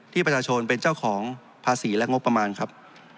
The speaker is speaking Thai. ประชาชนเป็นเจ้าของภาษีและงบประมาณครับ